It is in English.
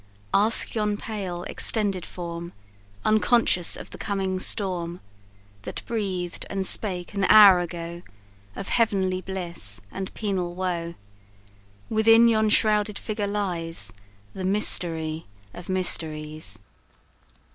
Ask yon pale extended form, Unconscious of the coming storm, That breathed and spake an hour ago, Of heavenly bliss and penal woe; Within yon shrouded figure lies "The mystery of mysteries!" S.